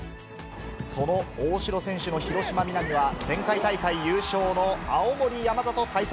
その大代選手の広島皆実は、前回大会優勝の青森山田と対戦。